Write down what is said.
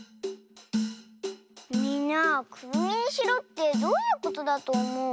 みんなくるみにしろってどういうことだとおもう？